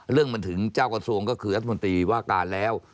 เรื่องมันถึงเจ้ากระทรวงก็คือรัฐมนตรีว่าการแล้ว